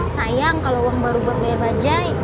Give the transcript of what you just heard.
sayang kalo uang baru buat bayar bajanya